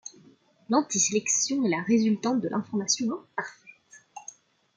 L'anti-sélection est la résultante de l'information imparfaite.